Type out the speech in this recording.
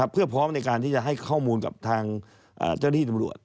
เพื่อพร้อมในการที่จะให้ข้อมูลกับทางเจ้าหน้าที่ตำรวจ